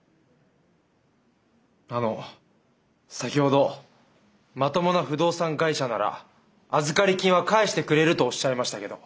あの先ほどまともな不動産会社なら預かり金は返してくれるとおっしゃいましたけど。